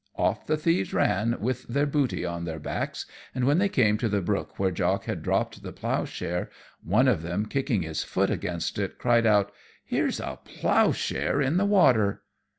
Off the thieves ran with their booty on their backs, and when they came to the brook where Jock had dropped the plough share, one of them kicking his foot against it, cried out, "Here's a plough share in the water."